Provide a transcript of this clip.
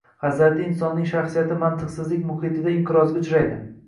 hazrati Insonning shaxsiyati mantiqsizlik muhitida inqirozga uchraydi